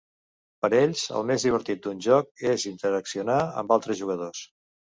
Per ells el més divertit d'un joc és interaccionar amb altres jugadors.